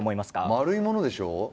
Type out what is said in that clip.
丸いものでしょう？